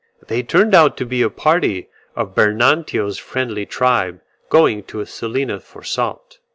They turned out to be a party of Bernantio's friendly tribe, going to a salina for salt.